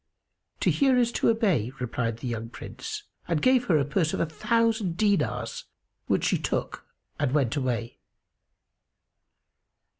"To hear is to obey," replied the young Prince and gave her a purse of a thousand dinars, which she took and went away.